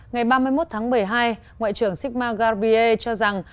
ngày ba mươi một tháng bảy mươi hai ngoại trưởng sigma garbier cho rằng